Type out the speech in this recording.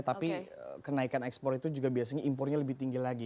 tapi kenaikan ekspor itu juga biasanya impornya lebih tinggi lagi